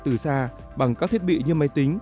từ xa bằng các thiết bị như máy tính